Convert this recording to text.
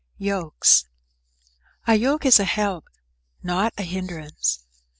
"_ YOKES A Yoke is a help, not a hindrance.